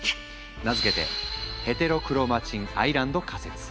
名付けてヘテロクロマチン・アイランド仮説。